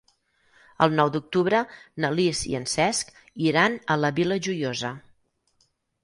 El nou d'octubre na Lis i en Cesc iran a la Vila Joiosa.